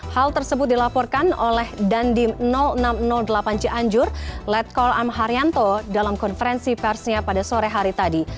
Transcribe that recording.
hal tersebut dilaporkan oleh dandim enam ratus delapan cianjur letkol amharyanto dalam konferensi persnya pada sore hari tadi